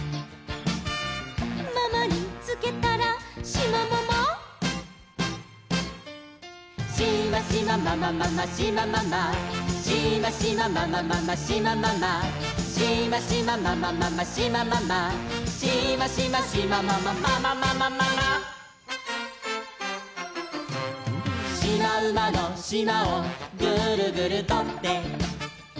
「ママにつけたらシマママ」「シマシマママママシマママ」「シマシマママママシマママ」「シマシマママママシマママ」「シマシマシマママママママママ」「しまうまのしまをグルグルとって」